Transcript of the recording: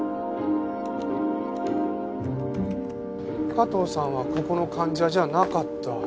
加藤さんはここの患者じゃなかった。